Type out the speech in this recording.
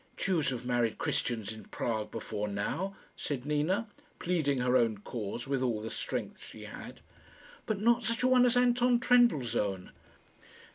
"Jews have married Christians in Prague before now," said Nina, pleading her own cause with all the strength she had. "But not such a one as Anton Trendellsohn.